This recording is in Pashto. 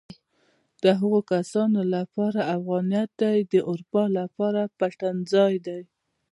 د هغو کسانو لپاره افغانیت د اروپا لپاره پټنځای دی.